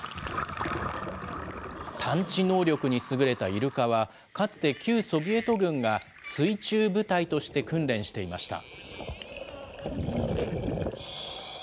探知能力に優れたイルカは、かつて旧ソビエト軍が水中部隊として訓練していました。